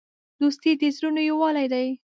دوستي د زړونو یووالی دی.